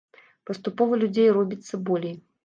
Паступова людзей робіцца болей.